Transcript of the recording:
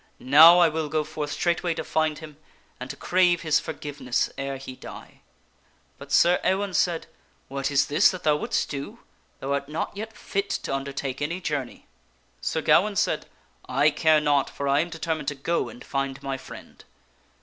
Now I will go forth straightway to find him and to crave his forgiveness ere he die." But Sir Ewaine said, " What is this that thou wouldst do? Thou art not yet fit to undertake any journey." Sir Gawaine said, *' I care not, for I am determined to go and find my friend."